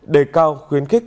đề cao khuyến khích